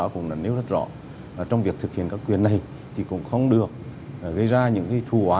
cũng đã nêu rất rõ trong việc thực hiện các quyền này thì cũng không được gây ra những thủ quả